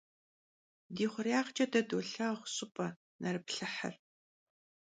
Di xhurêyağç'e de dolhağu ş'ıp'e — nerıplhıhır.